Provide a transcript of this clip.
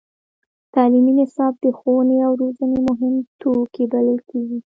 تعلیمي نصاب د ښوونې او روزنې مهم توکی بلل کېږي.